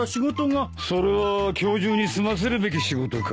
それは今日中に済ませるべき仕事かい？